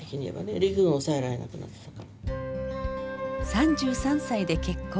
３３歳で結婚。